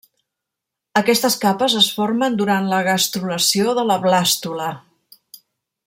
Aquestes capes es formen durant la gastrulació de la blàstula.